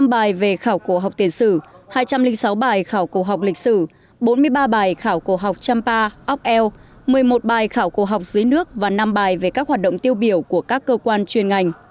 một mươi một bài khảo cổ học dưới nước và năm bài về các hoạt động tiêu biểu của các cơ quan chuyên ngành